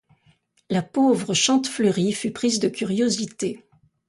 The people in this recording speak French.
La pauvre Chantefleurie fut prise de curiosité.